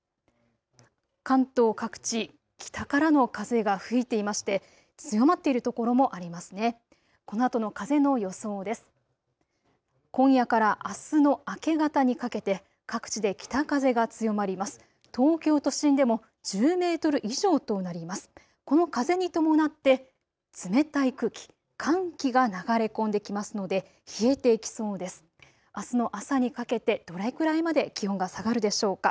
関東各地、北からの風が吹いていまして強まっている所もありますね。